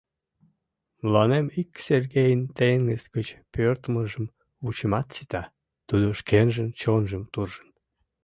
Мыланем ик Сергейын теҥыз гыч пӧртылмыжым вучымат сита», — тудо шкенжын чонжым туржын.